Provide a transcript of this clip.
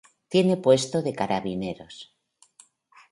Tiene puesto de carabineros.